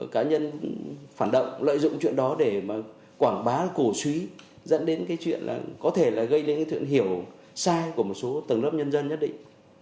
cá nhân phản động lợi dụng chuyện đó để mà quảng bá cổ suý dẫn đến cái chuyện là có thể là gây lên cái thượng hiểu sai của một số tầng lớp nhân dân nhất định